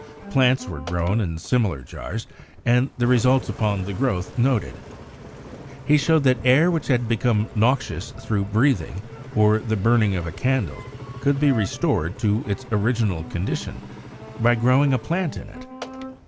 Plants were grown in similar jars, and the result upon the growth noted. He showed that air which had become noxious through breathing or the burning of a candle could be restored to its original condition by growing a plant in it.